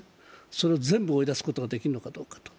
それを全部追い出すことができるのかどうか。